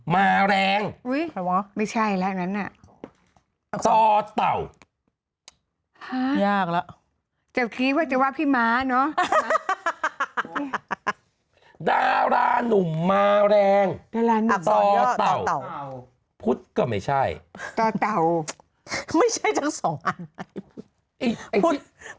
ต่อเต่ายากละจะว่าพี่ม้าเนาะดารานุ่มมาแรงต่อเต่าพุทธก็ไม่ใช่ต่อเต่าไม่ใช่ทั้งสอง